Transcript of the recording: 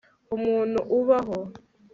umuntu ubaho